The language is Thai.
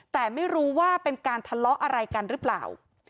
แต่ไม่รู้ว่าเป็นการทะเลาะอะไรกันหรือเปล่า